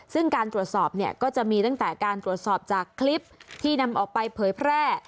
ซึ่งการตรวจสอบเนี่ยก็จะมีตั้งแต่การตรวจสอบจากคลิปที่นำออกไปเผยแพร่